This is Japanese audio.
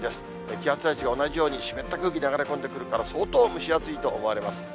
気圧配置が同じように、湿った空気流れ込んでくるから、相当蒸し暑いと思われます。